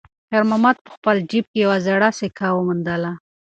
خیر محمد په خپل جېب کې یوه زړه سکه وموندله.